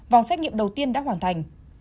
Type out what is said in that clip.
vòng xét nghiệm đầu tiên đã hoàn thành